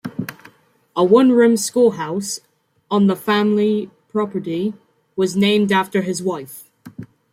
A one-room schoolhouse on the family property was named for his wife.